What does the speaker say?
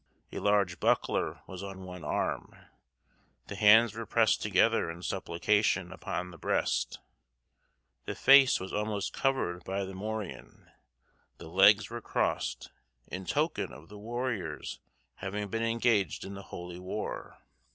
A large buckler was on one arm; the hands were pressed together in supplication upon the breast; the face was almost covered by the morion; the legs were crossed, in token of the warrior's having been engaged in the holy war.